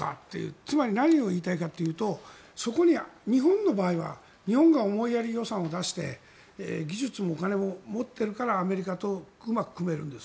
つまり何が言いたいかというとそこに日本の場合は日本が思いやり予算を出して技術もお金も持ってるからアメリカとうまく組めるんです。